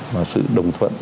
và sự đồng thuận